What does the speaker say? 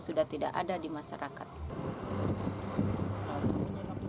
sudah tidak ada di masyarakat itu